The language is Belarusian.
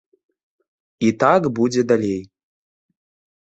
І так будзе далей.